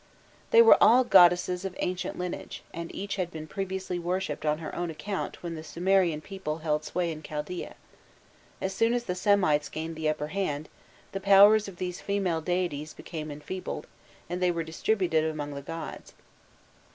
They were all goddesses of ancient lineage, and each had been previously worshipped on her own account when the Sumerian people held sway in Chaldaea: as soon as the Semites gained the upper hand, the powers of these female deities became enfeebled, and they were distributed among the gods.